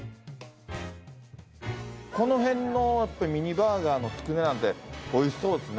この辺のミニバーガーのつくねなんておいしそうですね。